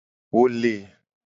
Wo le.